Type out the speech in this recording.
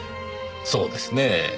そうですねぇ。